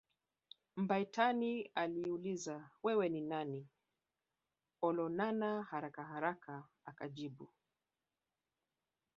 Mbatiany aliuliza wewe ni nani Olonana haraka haraka akajibu